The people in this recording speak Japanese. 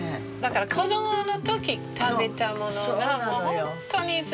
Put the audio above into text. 子どもの時食べたものがホントにずっと。